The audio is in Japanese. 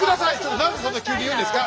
何でそんな急に言うんですか！